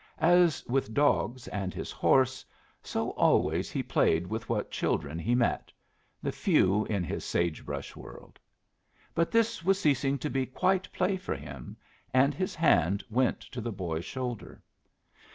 As with dogs and his horse, so always he played with what children he met the few in his sage brush world; but this was ceasing to be quite play for him, and his hand went to the boy's shoulder.